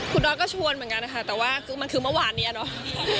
คุณดอสก็ชวนเหมือนกันนะคะแต่ว่ามันคือเมื่อวานนี้เนาะ